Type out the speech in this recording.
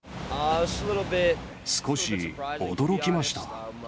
少し驚きました。